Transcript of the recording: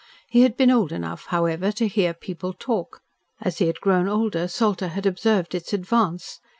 He had been old enough, however, to hear people talk. As he had grown older, Salter had observed its advance.